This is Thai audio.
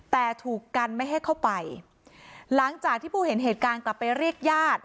แต่ถูกกันไม่ให้เข้าไปหลังจากที่ผู้เห็นเหตุการณ์กลับไปเรียกญาติ